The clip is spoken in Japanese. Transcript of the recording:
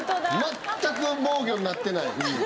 全く防御になってない。